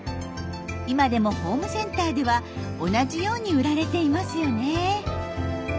今でもホームセンターでは同じように売られていますよね。